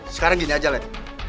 sekarang gini aja lek